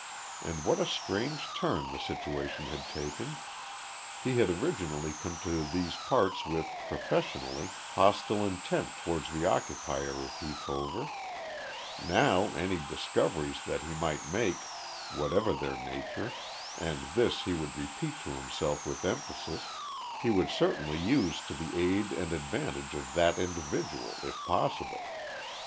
And what a strange turn the situation had taken. He had originally come to these parts with professionally hostile intent towards the occupier of Heath Hover; now, any discoveries that he might make whatever their nature and this he would repeat to himself with emphasis, he would certainly use to the aid and advantage of that individual, if possible.